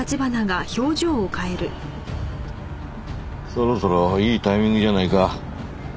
そろそろいいタイミングじゃないか。